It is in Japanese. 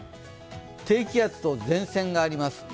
低気圧と前線があります。